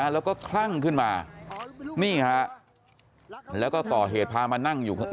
แล้วก็คลั่งขึ้นมานี่ฮะแล้วก็ก่อเหตุพามานั่งอยู่ข้าง